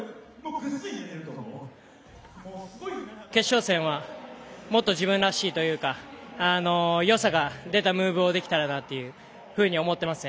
決勝戦はもっと自分らしいというかよさが出たムーブをできたらなと思ってますね。